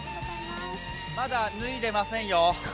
まだ脱いでませんよ。